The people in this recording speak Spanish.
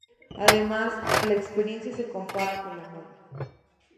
Además, la experiencia se compara con la moda.